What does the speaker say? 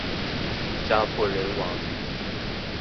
家破人亡